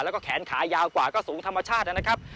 แล้วก็แขนขายาวกว่าก็สูงธรรมชาตินะครับ